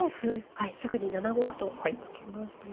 はいすぐに７五歩と突きましたね。